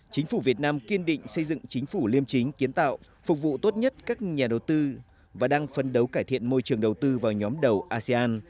chính phủ việt nam kiên định xây dựng chính phủ liêm chính kiến tạo phục vụ tốt nhất các nhà đầu tư và đang phân đấu cải thiện môi trường đầu tư vào nhóm đầu asean